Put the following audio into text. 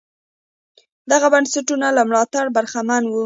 دغه بنسټونه له ملاتړه برخمن وو.